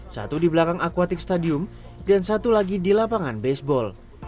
satu di belakang aquatic stadium dan satu lagi di lapangan baseball